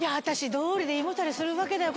どうりで胃もたれするわけだよ